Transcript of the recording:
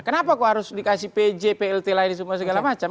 kenapa kok harus dikasih pj plt lainnya segala macam